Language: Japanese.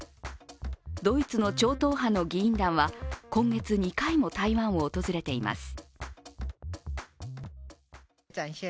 ドイツの超党派の議員団は今月２回も台湾を訪れています。